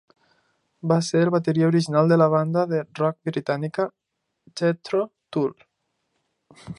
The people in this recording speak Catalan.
Va ser el bateria original de la banda de rock britànica Jethro Tull.